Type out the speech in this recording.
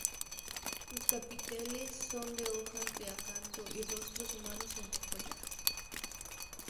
Los capiteles son de hojas de acanto y rostros humanos entre follaje.